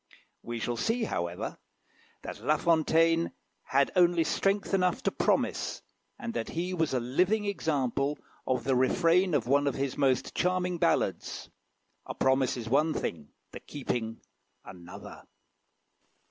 We shall see, however, that La Fontaine had only strength enough to promise, and that he was a living example of the refrain of one of his most charming ballads "A promise is one thing the keeping another."